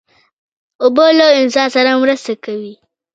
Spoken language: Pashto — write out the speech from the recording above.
اوبه له انسان سره مرسته کوي.